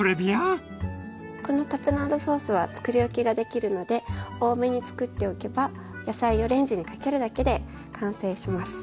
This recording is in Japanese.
このタプナードソースはつくりおきができるので多めにつくっておけば野菜をレンジにかけるだけで完成します。